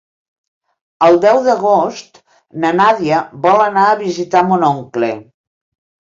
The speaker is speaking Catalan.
El deu d'agost na Nàdia vol anar a visitar mon oncle.